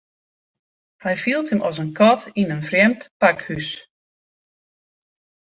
Hy fielt him as in kat yn in frjemd pakhús.